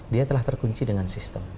dia telah terkunci dengan sistem